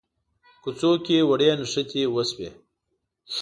کوڅو کې وړې نښتې وشوې.